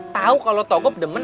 tau kalau togop demen